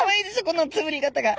このつぶり方が。